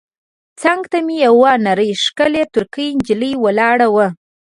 څنګ ته مې یوه نرۍ ښکلې ترکۍ نجلۍ ولاړه وه.